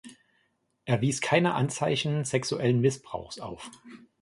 Er wies keine Anzeichen sexuellen Missbrauchs auf.